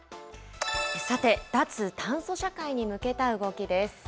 さて、脱炭素社会に向けた動きです。